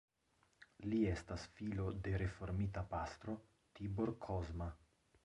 Li estas filo de reformita pastro Tibor Kozma.